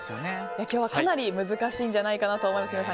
今日はかなり難しいんじゃないかと思います。